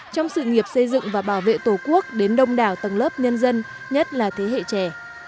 trong sự nghiệp xây dựng và bảo vệ tổ quốc đến đông đảo tầng lớp nhân dân nhất là thế hệ trẻ